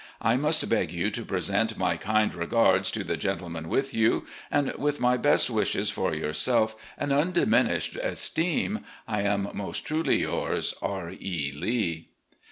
I must beg you to present my kind regards to the gentle men with you, and, with my best wishes for yourself and undiminished esteem, I am, "Most truly yours, "R. E. Lee."